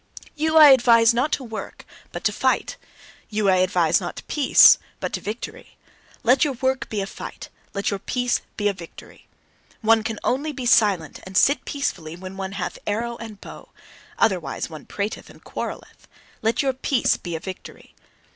You I advise not to work, but to fight. You I advise not to peace, but to victory. Let your work be a fight, let your peace be a victory! One can only be silent and sit peacefully when one hath arrow and bow; otherwise one prateth and quarrelleth. Let your peace be a victory!